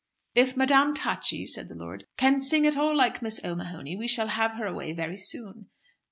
"If Madame Tacchi," said the lord, "can sing at all like Miss O'Mahony, we shall have her away very soon.